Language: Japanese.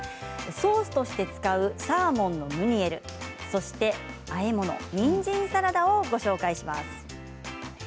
ソースとして使うサーモンのムニエルそしてあえ物、にんじんサラダをご紹介します。